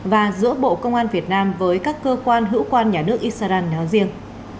và giữa bộ công an việt nam với các cơ quan hữu quan nhà nước israel nói riêng